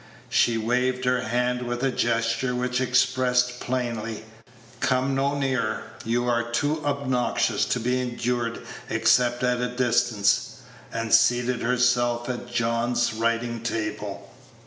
She waved her hand with a gesture which expressed plainly, "Come no nearer; you are too obnoxious to be endured except at a distance," and seated herself at John's writing table.